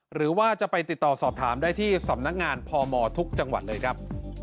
หรือว่าจะไปติดต่อสอบถามได้ที่สำนักงานพมทุกจังหวัดเลยครับ